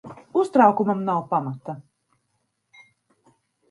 Uztraukumam nav pamata.